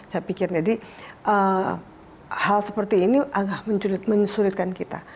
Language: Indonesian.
saya pikir jadi hal seperti ini agak mensulitkan kita